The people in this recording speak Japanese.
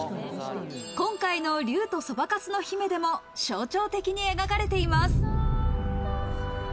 今回の『竜とそばかすの姫』でも象徴的に描かれています。